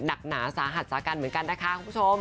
หนักหนาสาหัสสากันเหมือนกันนะคะคุณผู้ชม